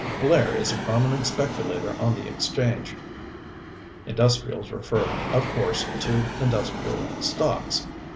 Blair is a prominent speculator on the exchange. Industrials refer, of course, to industrial stocks.